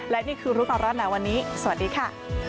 และนี่คือรุมรอดรอดนะวันนี้สวัสดีค่ะ